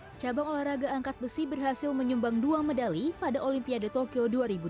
hai cabang olahraga angkat besi berhasil menyumbang dua medali pada olimpiade tokyo